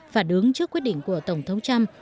phản ứng trước quyết định của tổng thống trump